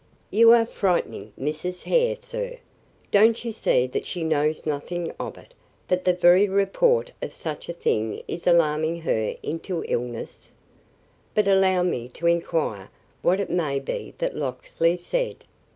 "You are frightening Mrs. Hare, sir. Don't you see that she knows nothing of it that the very report of such a thing is alarming her into illness? But allow me to inquire what it may be that Locksley said?"